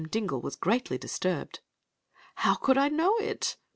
Dam^ Wm0e greatly disturbed. "How could I know it?"